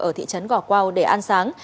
ở thị trấn gò quao để ăn sáng